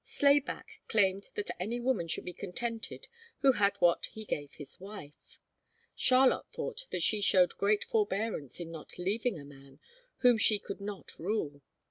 Slayback claimed that any woman should be contented who had what he gave his wife. Charlotte thought that she showed great forbearance in not leaving a man whom she could not rule.